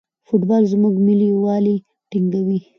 فوټبال زموږ ملي یووالی ټینګوي.